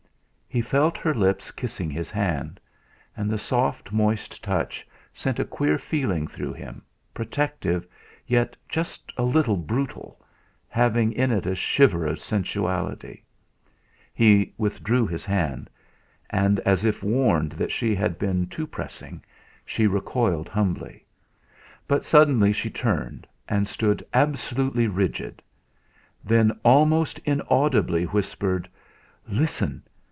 He felt her lips kissing his hand. And the soft moist touch sent a queer feeling through him, protective, yet just a little brutal, having in it a shiver of sensuality. He withdrew his hand. And as if warned that she had been too pressing, she recoiled humbly. But suddenly she turned, and stood absolutely rigid; then almost inaudibly whispered: "Listen!